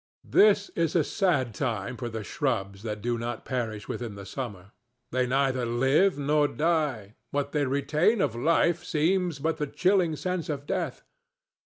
This is a sad time for the shrubs that do not perish with the summer. They neither live nor die; what they retain of life seems but the chilling sense of death.